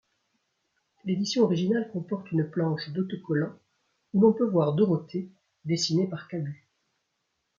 L'édition originale comporte une planche d'autocollants où l'on peut voir Dorothée dessinée par Cabu.